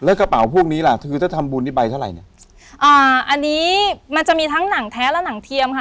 แล้วกระเป๋าพวกนี้ล่ะคือถ้าทำบุญนี่ใบเท่าไหร่เนี่ยอ่าอันนี้มันจะมีทั้งหนังแท้และหนังเทียมค่ะ